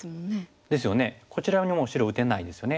こちらにも白打てないですよね。